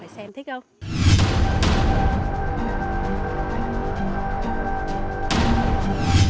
mày xem thích không